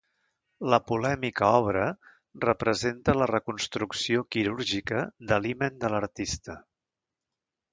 La polèmica obra representa la reconstrucció quirúrgica de l'himen de l'artista.